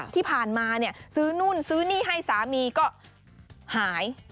ที่ผ่านมาซื้อนู่นซื้อนี่ให้สามีก็หาย